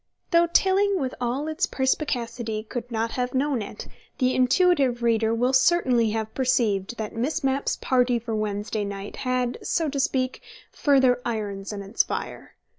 Though Tilling with all its perspicacity could not have known it, the intuitive reader will certainly have perceived that Miss Mapp's party for Wednesday night had, so to speak, further irons in its fire.